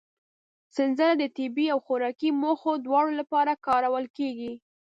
سنځله د طبي او خوراکي موخو دواړو لپاره کارول کېږي.